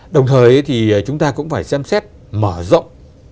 đồng thời thì chúng ta cũng phải xem xét mở rộng